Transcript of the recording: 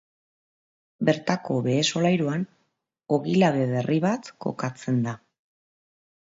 Bertako behe solairuan ogi labe berri bat kokatzen da.